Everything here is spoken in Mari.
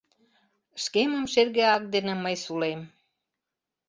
Шкемым шерге ак дене мый сулем: